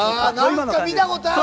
何か見たことある！